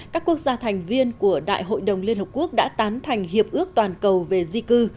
các quốc gia thành viên của đại hội đồng liên hợp quốc đã tán thành hiệp ước toàn cầu về di cư